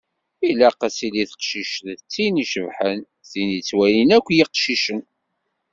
Ilaq ad tili teqcict d tin icebḥen, tin ttwalin akk yiqcicen.